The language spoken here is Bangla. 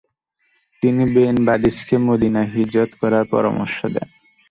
তিনি বেন বাদিসকে মদীনায় হিজরত করার পরামর্শ দেন।